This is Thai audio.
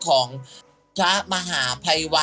ของพระมหาภัยวะ